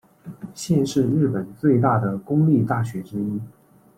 现是日本最大的公立大学之一。